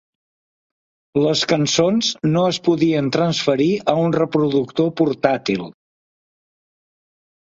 Les cançons no es podien transferir a un reproductor portàtil.